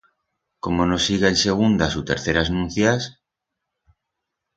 Como no siga en segundas u terceras nuncias...